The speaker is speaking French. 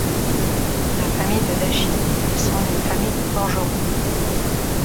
La famille de Dashi descend d'une famille de forgerons.